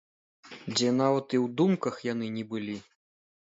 Дзе нават і ў думках яны не былі.